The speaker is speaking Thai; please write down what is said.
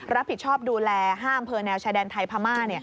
รับผิดชอบดูแล๕อำเภอแนวชายแดนไทยพม่า